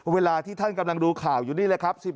เวลาที่ท่านกำลังดูข่าวอยู่นี่แหละครับ